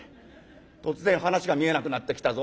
突然話が見えなくなってきたぞ。